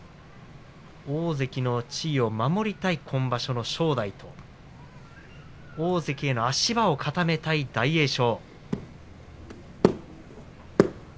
大関の地位を守りたい今場所の正代と大関への足場を固めたい大栄翔。